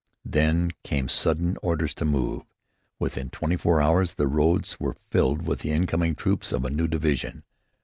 Then came sudden orders to move. Within twenty four hours the roads were filled with the incoming troops of a new division.